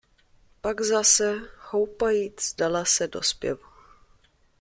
Pak zase, houpajíc, dala se do zpěvu.